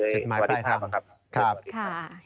สวัสดีครับสวัสดีครับสวัสดีครับสวัสดีครับสวัสดีครับสวัสดีครับ